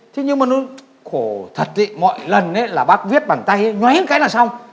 thế nhưng mà nó khổ thật ý mọi lần là bác viết bằng tay nhuếm cái là xong